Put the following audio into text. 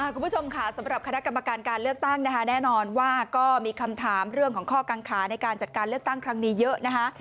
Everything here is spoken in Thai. คุณผู้ชมค่ะสำหรับคณะกรรมการการเลือกตั้งนะคะแน่นอนว่าก็มีคำถามเรื่องของข้อกังขาในการจัดการเลือกตั้งครั้งนี้เยอะนะคะ